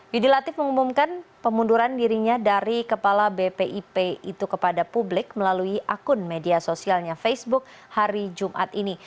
yudi latif mengumumkan pemunduran dirinya dari kepala bpip itu kepada publik melalui akun media sosialnya facebook hari jumat ini